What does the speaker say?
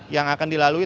yang akan dilalui